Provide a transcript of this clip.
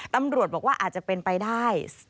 ตำรวจบอกว่าอาจจะเป็นไปได้